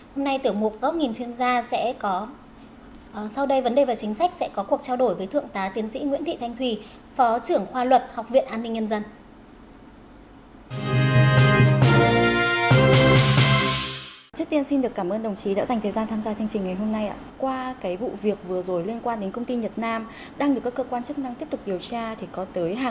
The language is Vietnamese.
hôm nay tưởng một góc nghìn chuyên gia sẽ có